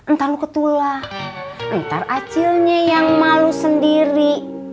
ntar lo ketulah ntar acilnya yang malu sendiri